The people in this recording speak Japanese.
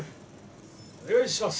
お願いします。